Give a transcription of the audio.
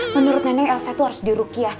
menurut neneng elsa tuh harus di rukia